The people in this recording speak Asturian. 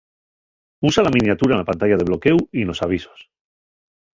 Usa la miniatura na pantalla de bloquéu y nos avisos.